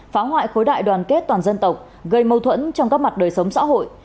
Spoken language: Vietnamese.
phá hoại khối đại đoàn kết toàn dân tộc gây mâu thuẫn trong các mặt đời sống xã hội